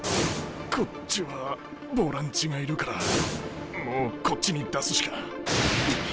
こっちはボランチがいるからもうこっちに出すしか。